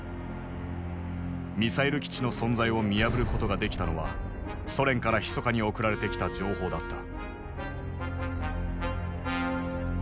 ミサイル基地の存在を見破ることができたのはソ連からひそかに送られてきた情報だった。